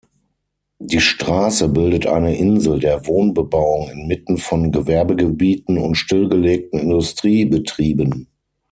Die Straße bildet eine Insel der Wohnbebauung inmitten von Gewerbegebieten und stillgelegten Industriebetrieben.